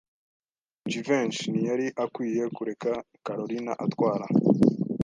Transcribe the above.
Jivency ntiyari akwiye kureka Kalorina atwara.